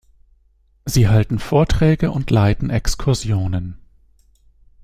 Sie halten Vorträge und leiten Exkursionen.